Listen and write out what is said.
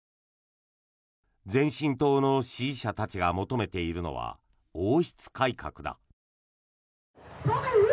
前進党の支持者たちが求めているのは王室改革だ。